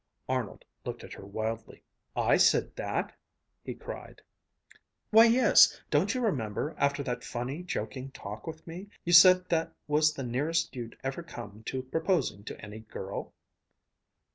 Arnold looked at her wildly. "I said that!" he cried. "Why, yes, don't you remember, after that funny, joking talk with me, you said that was the nearest you'd ever come to proposing to any girl?"